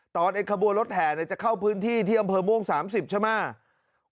ตอนไอ้ขบัวรถแห่เนี่ยจะเข้าพื้นที่ที่อำเภอม่วงสามสิบใช่ไหม